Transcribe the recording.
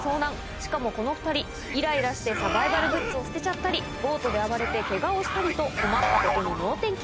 しかもこの２人いらいらしてサバイバルグッズを捨てちゃったりボートで暴れてケガをしたりと困ったことに能天気。